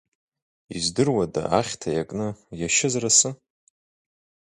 Издыруада ахьҭа иакны, иашьызар асы?